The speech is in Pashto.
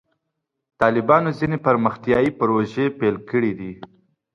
طالبانو ځینې پرمختیایي پروژې پیل کړې دي.